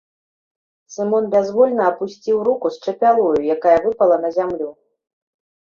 Сымон бязвольна апусціў руку з чапялою, якая выпала на зямлю.